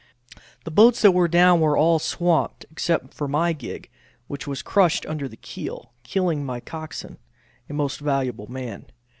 The boats that were down were all swamped except my gig, which was crushed under the keel, killing my coxswain, a most valuable man.